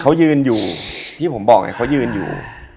เขายืนอยู่ที่ผมบอกเนี่ยเขายืนอยู่